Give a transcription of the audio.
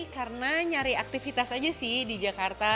karena nyari aktivitas aja sih di jakarta